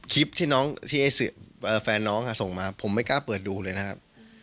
คลิปที่น้องที่แฟนน้องส่งมาผมไม่กล้าเปิดดูเลยนะครับ